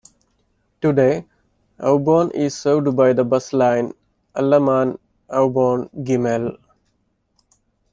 Today, Aubonne is served by the bus line Allaman - Aubonne - Gimel.